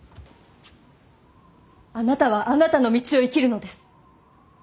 あなたはあなたの道を生きるのです。